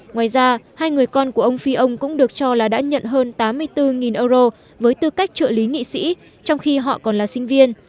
ngoài ra hai người con của ông phi ông cũng được cho là đã nhận hơn tám mươi bốn euro với tư cách trợ lý nghị sĩ trong khi họ còn là sinh viên